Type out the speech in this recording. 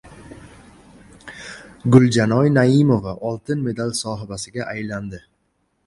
Guljanoy Naimova oltin medal sohibasiga aylandi